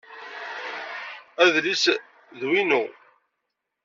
Adlis d winu.